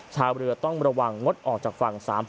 ชาวเรือต้องระวังงดออกจากฝั่ง